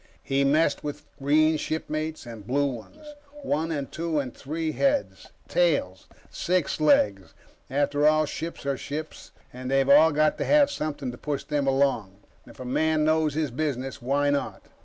He messed with green shipmates and blue ones. One and two and three heads, tails, six legs after all, ships are ships and they've all got to have something to push them along. If a man knows his business, why not?